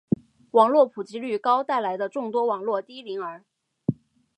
网络普及率高带来的众多网络低龄儿